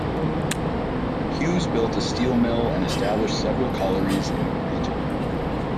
Hughes built a steel mill and established several collieries in the region.